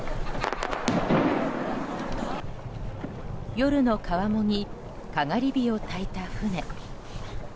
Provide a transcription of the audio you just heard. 夜の川面にかがり火をたいた舟。